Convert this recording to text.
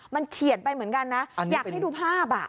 มันเฉียดไปเหมือนกันนะอยากให้ดูภาพ